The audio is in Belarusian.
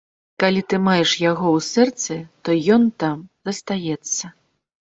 Калі ты маеш яго ў сэрцы, то ён там застанецца.